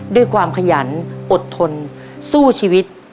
ด้วยความขยันอดทนสู้ชีวิต